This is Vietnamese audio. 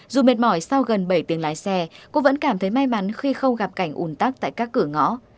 dù mệt mỏi sau gần bảy tiếng lái xe cô vẫn cảm thấy may mắn khi không gặp cảnh ủn tắc tại các cửa ngõ